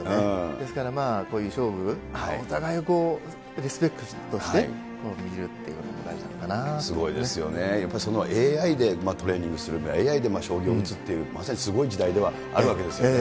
ですから、こういう勝負、お互いをリスペクトして、すごいですよね、やっぱりそのＡＩでトレーニングするとか、ＡＩで将棋を打つっていう、まさにすごい時代ではあるんですよね。